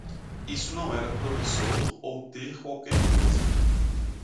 Isso não era promissor ou ter qualquer coisa.